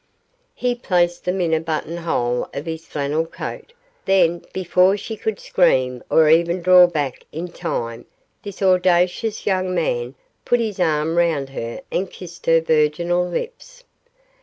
He placed them in a button hole of his flannel coat, then before she could scream, or even draw back in time, this audacious young man put his arm round her and kissed her virginal lips.